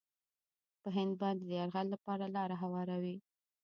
هند باندې د یرغل لپاره لاره هواروي.